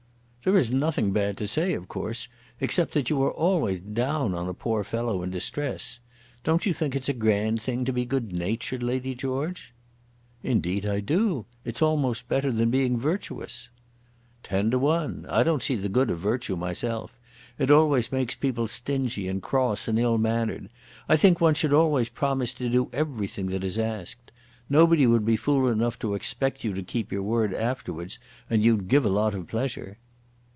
"There is nothing bad to say, of course, except that you are always down on a poor fellow in distress. Don't you think it's a grand thing to be good natured, Lady George?" "Indeed I do. It's almost better than being virtuous." "Ten to one. I don't see the good of virtue myself. It always makes people stingy and cross and ill mannered. I think one should always promise to do everything that is asked. Nobody would be fool enough to expect you to keep your word afterwards, and you'd give a lot of pleasure."